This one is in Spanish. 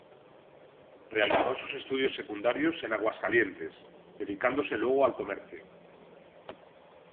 Realizó sus estudios secundarios en Aguascalientes, dedicándose luego al comercio.